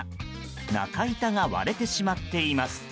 中板が割れてしまっています。